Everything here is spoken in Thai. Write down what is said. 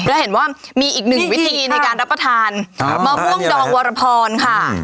แล้วเห็นว่ามีอีกหนึ่งวิธีในการรับประทานมะม่วงดองวรพรค่ะ